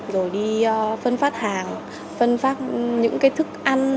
rồi đi phân phát hàng phân phát những cái thức ăn